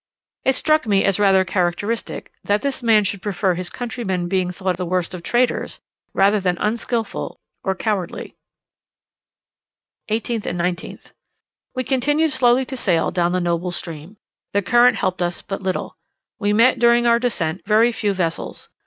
It struck me as rather characteristic, that this man should prefer his countrymen being thought the worst of traitors, rather than unskilful or cowardly. 18th and 19th. We continued slowly to sail down the noble stream: the current helped us but little. We met, during our descent, very few vessels.